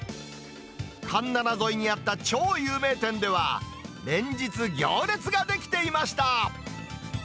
環七沿いにあった超有名店では、連日、行列が出来ていました。